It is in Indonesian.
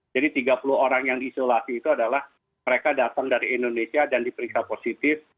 tiga puluh orang yang diisolasi itu adalah mereka datang dari indonesia dan diperiksa positif